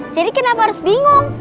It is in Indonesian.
jadi kenapa harus bingung